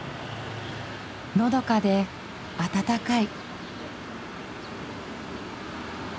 のどかで暖かい。